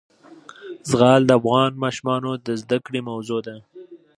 زغال د افغان ماشومانو د زده کړې موضوع ده.